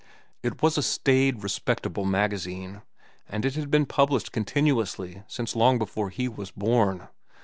It was a staid, respectable magazine, and it had been published continuously since long before he was born.